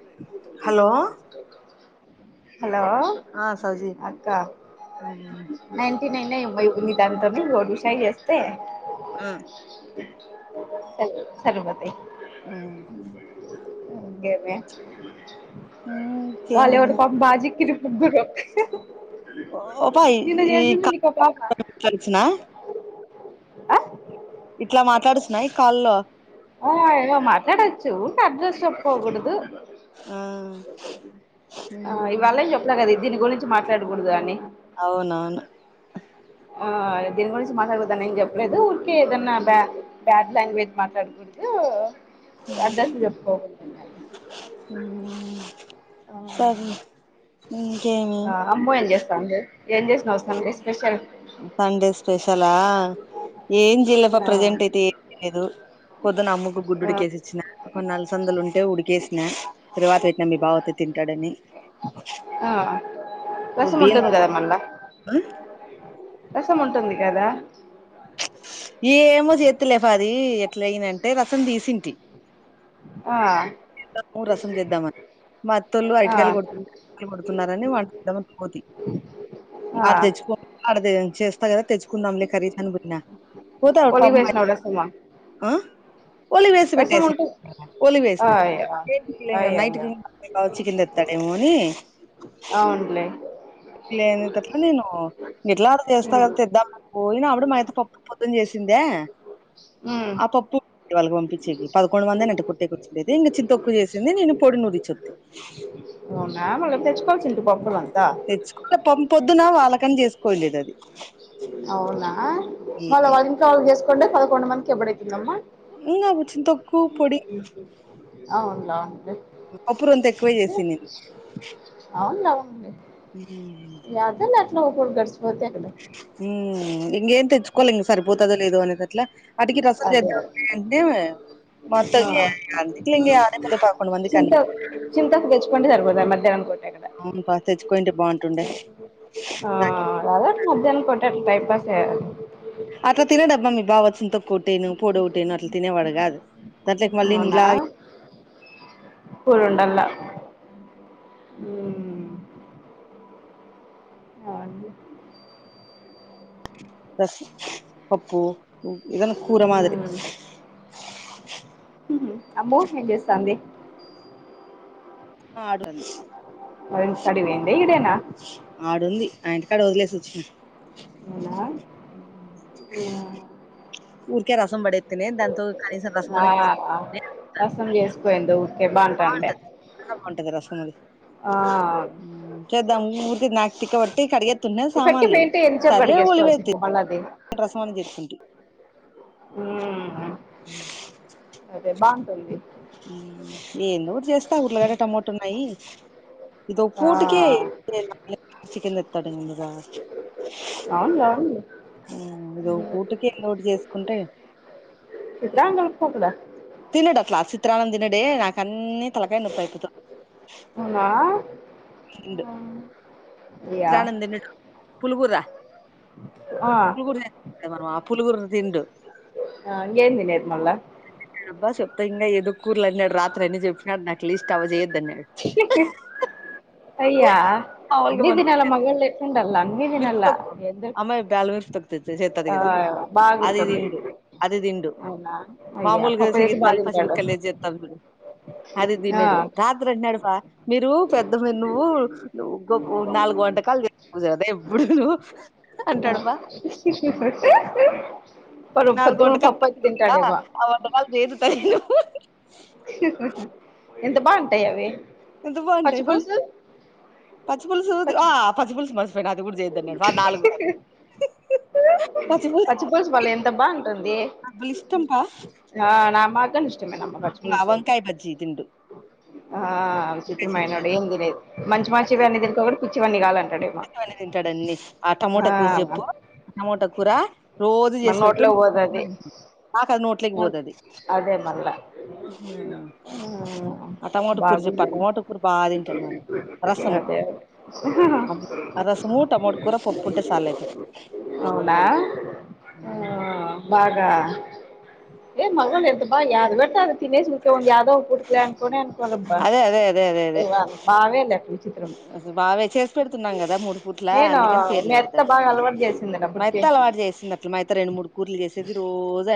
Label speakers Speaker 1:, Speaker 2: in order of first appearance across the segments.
Speaker 1: ఇ ఎ
Speaker 2: హలో
Speaker 1: తా కక హలో
Speaker 2: ఆ సౌజీ
Speaker 1: అక్క నైన్ టీన్ [unintelligible] దాంతోని రోటీ ఫ్రై చేస్తే
Speaker 2: ఆ
Speaker 1: స సరిపోతాయ్
Speaker 2: ఉమ్
Speaker 1: అ గేమీ
Speaker 2: ఇంకేం
Speaker 1: వాళ్లెవరో పాపం బా జికిరు ముగ్గురు
Speaker 2: పో పా
Speaker 1: నిన్న
Speaker 2: ఈ
Speaker 1: చేసింది నీకో పాప
Speaker 2: తెల్సున మాట్లాడుతున్నా ఈ కాల్లో
Speaker 1: ఆ ఇగ మాట్లాడచ్చు కట్ చేసే టప్ పోకూడదు
Speaker 2: ఆ
Speaker 1: ఆ ఇవాలే చెప్పనా కద ఇ దీని గురించి మాట్లాడకూడదు అని
Speaker 2: అవునవును
Speaker 1: ఆ దీని గురించి మాట్లాడుకుదాని ఏం చెప్పలేదు ఊరికే ఏదన్నా బ బ్యాడ్ లాంగ్వేజ్ మాట్లాడకూడదు అడ్రెస్స్ లు చెప్పుకోకూడదంట
Speaker 2: సర్లే ఇంకేమి
Speaker 1: ఆ అమ్మ ఏం చేస్తాంది ఏం చేసినావ్ సండే స్పెషల్
Speaker 2: సండే స్పెషలా ఏం చేయలేపా
Speaker 1: ఆ
Speaker 2: ప్రజెంట్ అయితే ఏం లేదు పోద్దున్న అమ్మకు గుడ్డు
Speaker 1: ఆ
Speaker 2: ఉడికేసి ఇచ్చిన కొన్ని అలసందలు ఉంటే ఉడికేసినా తిరువాత పెట్టినా మీ బావొత్తే తిం టాడని
Speaker 1: ఆ రసం ఉంటుంది కదా మళ్ళా రసం ఉంటుంది కదా
Speaker 2: ఏమో చేత్తలేపా అది ఎ ఎట్లయిందంటే రసం తీసింటి
Speaker 1: ఆ
Speaker 2: కు రసం చేద్దామని మా అత్తోళ్ళు
Speaker 1: ఆ
Speaker 2: అరటికాయలు కొడుతులు కొడుతున్నారని వాంటద్దామ పోతి
Speaker 1: ఆ
Speaker 2: ఆడ తెచ్చుకోని అడ చెస్ కదా తెచ్చుకుందాం లే కర్రీస్ అని పోయినా పోతే ఆడ
Speaker 1: పొలికి
Speaker 2: పాపం
Speaker 1: వేసినావు
Speaker 2: మాయత్త
Speaker 1: రసమా
Speaker 2: ఆ ఓలీ వేసి
Speaker 1: రసం
Speaker 2: పెట్టిస్
Speaker 1: ఉంటు
Speaker 2: ఓలీ వేసిన
Speaker 1: అయ్యో
Speaker 2: ఏంటికి లే ఇంగ నైట్
Speaker 1: అయ్యయ్యో
Speaker 2: కి మీ బావ చికెన్ తెత్తాడేమో అని
Speaker 1: అవునులే
Speaker 2: లేనింతట్ల నేను ఎట్లా చేస్తా
Speaker 1: ఉమ్
Speaker 2: కదా తెద్దాముఅని పోయిన అప్పుడు మా అత్త పప్పు పొద్దుం చేసిందే
Speaker 1: ఉమ్
Speaker 2: ఆ పప్పు [inaudible] చి పదకొండు మందిని అంటి కొట్టి ఏ పిచ్చింది కొంచెం తక్కువ చేసింది నేను పొడి నూరి ఇచ్చిన
Speaker 1: అవునా మళ్ళీ తెచ్చుకోవాల్సింటి పప్పులంతా
Speaker 2: తెచ్చుకుంటే పొద్దున వాళ్ళకని చేసుకోలేదు అది
Speaker 1: అవునా
Speaker 2: ఏ
Speaker 1: వాళ్ళు [inaudible] చేసుకుంటే పదకొండు మందికి ఎప్పుడైతుంది అమ్మ
Speaker 2: ఇంగా కొంచెం తొక్కు పొడి
Speaker 1: అవును ల
Speaker 2: పప్పు రొంత ఎక్కువే చేసింది
Speaker 1: అవును వు ఉంది
Speaker 2: వేరే లేము
Speaker 1: ఒక్కో ధర్శీ
Speaker 2: హు ఇంగామే తెచ్చుకోలే ఇంగా సరిపోదు లేదో అనేసరికి అట్లా అటుకి రసం
Speaker 1: అదే
Speaker 2: చేద్దాంలే అంటే మా
Speaker 1: ఆ
Speaker 2: అత్తయ్య ఇగ అందుకే ఇగ ఏమైతాంది పదకొండు మందికి అని
Speaker 1: మధ్యాహ్ననికి
Speaker 2: అవును రా తెచ్చుకోయింటే బాగుంటుండే [inaudible]
Speaker 1: పోటాకి టైంపాస్
Speaker 2: అట్ల తినడు అబ్బా మీ బావ చింత కొట్టేను పొడి కొట్టేను అట్ల తినేవాడు కాదు దాంట్లకి మళ్ళీ నేను ఇలా
Speaker 1: కురుండల ఉమ్ ఏం అండి
Speaker 2: పోసి పప్పు ఎదన్న కూర మాదిరి
Speaker 1: మ్మ్ అబ్బో ఏం చేస్తాంది
Speaker 2: ఆడుతంది
Speaker 1: అ ఇంటికాడికి పోయింది ఇడేనా
Speaker 2: ఆడుంది ఆ [inaudible]
Speaker 1: నా
Speaker 2: ఊ ఊరికే రసం బడే
Speaker 1: ఆ రసం చేసి పోయిండు ఉండు అంట అంటే
Speaker 2: బాగుంటది చాలా బాగుంటది రసం అది
Speaker 1: ఆ
Speaker 2: మూతి నాక్ తోట్టి కడిగే
Speaker 1: తొట్టి పంటే ఎంతసేపు కడిగేస్తావ్ చెప్పుమల్ల అది
Speaker 2: రసం అని చెప్పుకుంటి
Speaker 1: హ్మ్ అదే బా రండి
Speaker 2: ఏందో చేస్తా గుట్లగడ టమోట ఉన్నాయి ఇదో
Speaker 1: ఆ
Speaker 2: పూటికే చికెన్ తెత్తడండి మా బావ
Speaker 1: అవునులే అవునులే
Speaker 2: ఇదో పూటికి ఏదో ఓటి చేసుకుంటే
Speaker 1: చిత్రాన్నం కలుపుకోకూడా
Speaker 2: తినడట్ల చిత్రానంద్ తినడే కన్నీ తలకాయ నొప్ప అయిపోత
Speaker 1: ఆ
Speaker 2: అట్లనాం తినదు పులుగుర
Speaker 1: ఆ
Speaker 2: మా మామ పులిగూర తినడు
Speaker 1: ఇంగేందినేది మళ్ళ
Speaker 2: ఇంగ ఎదో కూరలండినాడు రాత్ర అన్ని చెప్పినాడు నాకు లీస్ట్ అవ చేయ్య
Speaker 1: అయ్యా
Speaker 2: మాములుగా
Speaker 1: అన్ని
Speaker 2: మనమే
Speaker 1: దినాల మగ ఏ
Speaker 2: మిరుపు తొక్కు అమ్మాయి బ్యాల్ మిరుపు తక్తతి సేతది
Speaker 1: ఆ
Speaker 2: గద
Speaker 1: బాగుంటుంది
Speaker 2: అదిదిన్డు అదిదిండు
Speaker 1: అవునా అయ్యా
Speaker 2: మామూలుగా
Speaker 1: పప్పుదైతే బాగా
Speaker 2: సిగత్నల్ పచ్చి
Speaker 1: తింటాడు
Speaker 2: మిప్కల్ ఏసీ జెత్తల్ చూడు
Speaker 1: ఆ
Speaker 2: అదిదినాడు రాత్ర అన్నాడు బ మీరు పెద్దమ నువ్వు నాలుగు వంటకాలు చేద
Speaker 1: హ
Speaker 2: నాలుగు ఒంట కాలంద ఒంటకాల ఏదు తయరు
Speaker 1: ఎంత బా అ అవి
Speaker 2: ఎంత బాగుంటాయి పా
Speaker 1: పచ్చిపులుసు
Speaker 2: పచ్చిపులుసు
Speaker 1: ప
Speaker 2: ఆ పచ్చిపులుసు మర్చిపోయిన అది కూడా చేయొద్దన్నాడు వా నాలుగు పచ్చిపులుసు
Speaker 1: పచ్చిపుల్సు వాళ్ళ ఎంత బాగుంటంది
Speaker 2: అసలు ఇష్టం పా
Speaker 1: నా మాక ఇష్టమేమ
Speaker 2: ఆ
Speaker 1: పచ్చిపులుసు
Speaker 2: వంకాయ బజ్జీ తిండు
Speaker 1: ఆ
Speaker 2: వంకాయ చట్నీ
Speaker 1: విచిత్రమైననాడు
Speaker 2: చేస్తా
Speaker 1: ఏం తినదు మంచి మాంచి ఇవి అని తినక
Speaker 2: అనే తింటాడున్ని ఆ టమోటా కూర
Speaker 1: ఆ
Speaker 2: చెప్పు ఆ టమోటా కూర రోజు చేసి పెట్టు
Speaker 1: మన్నట్లే పోదది
Speaker 2: నాకు అది నోట్లోకి
Speaker 1: అదే
Speaker 2: పోతది
Speaker 1: అదే మల్ల
Speaker 2: ఆ టమోటా కూర
Speaker 1: బాగు
Speaker 2: చెప్పు ఆ టమోటా కూర బాగా తింటాడు మరి రసము
Speaker 1: అదే
Speaker 2: ఆ రసము టమోటా కూర పప్పు ఉంటే సాలు
Speaker 1: అవునా
Speaker 2: ఆ
Speaker 1: బగా ఏ మగన్ ఎంతపా యాద వితే అది తినేసకవ యాదో పటుకలేనుకోనే బరబా
Speaker 2: అదే
Speaker 1: బావేలట్లి
Speaker 2: అలు బావే చేసి పెడుతున్నాం కదా మూడు ఫుట్లా
Speaker 1: నేను
Speaker 2: అందుకని పేర్లు
Speaker 1: మీ అత్త
Speaker 2: పెడతాడు
Speaker 1: బాగా అలవాటు చేసింది
Speaker 2: మెత్త
Speaker 1: అప్పటికి
Speaker 2: అలవాటు చేస్తుంది అట్లు మ త్త రెండు మూడు కూరలు చేసేది రోజ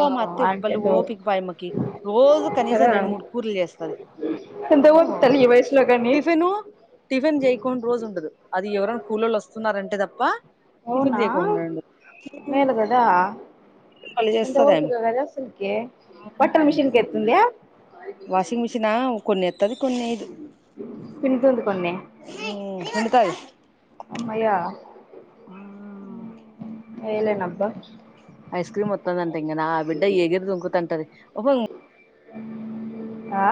Speaker 2: వా అత్తె
Speaker 1: ఆకే
Speaker 2: పల్లి ఓ పికిపాయమ్మకి రోజు కనీసం
Speaker 1: కదా
Speaker 2: రెండు మూడు కూరలు చేస్తది
Speaker 1: ఎంత
Speaker 2: ఓ
Speaker 1: ఓపిక తల్లి ఈ వయసులో కానీ
Speaker 2: టిఫిన్ టిఫిన్ జయికోని రోజు ఉండదు అది ఎవర కూలోలు వస్తున్నారంటే తప్ప టిఫిన్
Speaker 1: అవునా
Speaker 2: చేయకుండా ఉండదు
Speaker 1: మేలు గదా
Speaker 2: బలే
Speaker 1: ఎంత
Speaker 2: చేస్తది ఆమె
Speaker 1: పోసిలో కదా అసలుకి బట్టల మిషిన్ కి ఎతుంద
Speaker 2: వాషింగ్ మిషిన కొన్ని ఎతది కొన్ని
Speaker 1: పిండుతుంది
Speaker 2: పిండుతది
Speaker 1: అమ్మయ్యా ఏయాలేనబ్బ
Speaker 2: ఐస్ క్రీమ్ వస్తుందంటే ఇంకా నా బిడ్డ ఏగిరీ దుంకుతుంటది ఓ
Speaker 1: ఆ